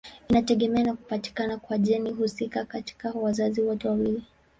Inategemea na kupatikana kwa jeni husika katika wazazi wote wawili.